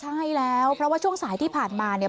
ใช่แล้วเพราะว่าช่วงสายที่ผ่านมาเนี่ย